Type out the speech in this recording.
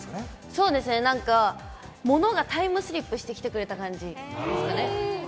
そうですね、物がタイムスリップしてきてくれた感じ。